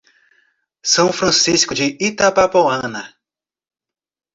São Francisco de Itabapoana